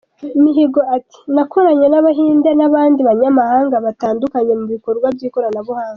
Mihigo ati “Nakoranye n’Abahinde, n’abandi banyamahanga batandukanye mu bikorwa by’ikoranabuhanga.